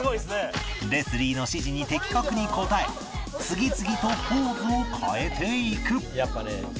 レスリーの指示に的確に応え次々とポーズを変えていく